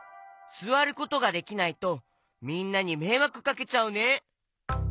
すわることができないとみんなにめいわくかけちゃうね。